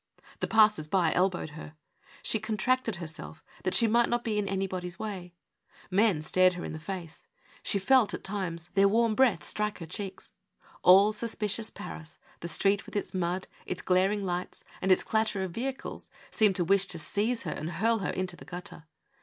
The passers by elbowed her. She contracted herself that she might not be in anybody's way. Men stared her in the face. She felt, at times, their warm breath 8S0 OUT OF WORK. strike lier clieeks. All suspicious Paris, the street with its mud, its glaring lights, and its clatter of vehicles seemed to wish to seize her and hurl her into the gutter.